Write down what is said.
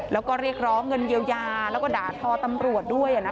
แล้วก็เรียกร้องเงินเยียวยาแล้วก็ด่าทอตำรวจด้วย